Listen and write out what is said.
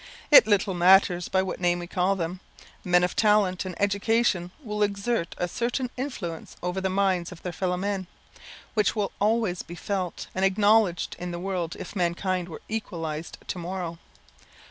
It little matters by what name we call them; men of talent and education will exert a certain influence over the minds of their fellow men, which will always be felt and acknowledged in the world if mankind were equalized to morrow.